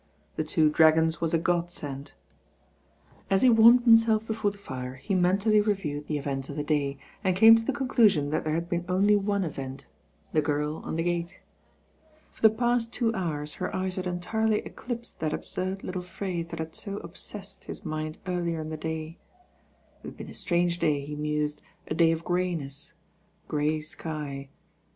"The Two Dragons" was a godsend. As he warmed himself before the fire, he men tally reviewed the events of the day, and came to the conclusion that there had been only one event, the girl on the gate. IFor the past two hours her eyes had entirely eclipsed that absurd little phrase that had so ob sessed his mind earlier in the day. It had been a strange day, he mused, a day of greyness: grey sky.